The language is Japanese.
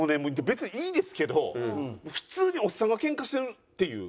別にいいですけど普通におっさんがケンカしてるっていう。